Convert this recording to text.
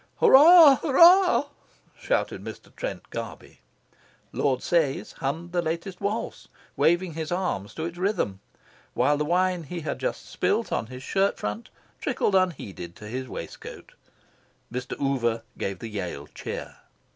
"Hurrah, hurrah!" shouted Mr. Trent Garby. Lord Sayes hummed the latest waltz, waving his arms to its rhythm, while the wine he had just spilt on his shirt front trickled unheeded to his waistcoat. Mr. Oover gave the Yale cheer.